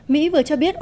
mỹ vừa cho biết